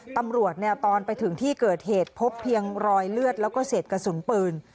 ตอนไปถึงที่เกิดเหตุพบเพียงรอยเลือดแล้วก็เศษกระสุนปืน